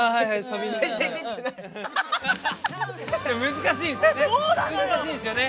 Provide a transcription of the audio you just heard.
難しいですよね！